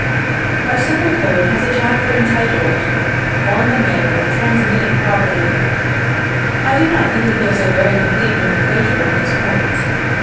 Our civil code has a chapter entitled, "On the manner of transmitting property." I do not think it gives a very complete nomenclature on this point.